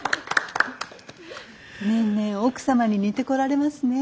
年々奥様に似てこられますね。